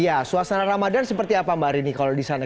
ya suasana ramadan seperti apa mbak rini kalau di sana